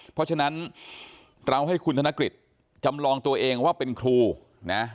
เพราะฉะนั้นเราให้คุณธนกฤษจำลองตัวเองว่าเป็นครูนะ